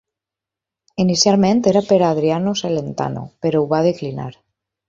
Inicialment era per a Adriano Celentano, però ho va declinar.